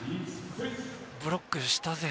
ブロックしたぜ！